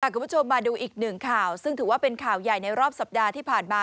คุณผู้ชมมาดูอีกหนึ่งข่าวซึ่งถือว่าเป็นข่าวใหญ่ในรอบสัปดาห์ที่ผ่านมา